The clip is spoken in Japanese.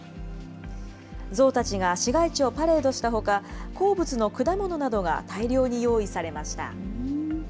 ゾウたちが市街地をパレードしたほか、好物の果物などが大量に用意されました。